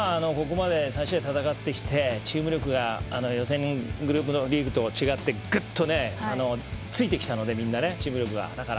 まあここまで３試合戦ってきてチーム力が予選グループのリーグと違ってぐっとねついてきたのでみんなね、チーム力が。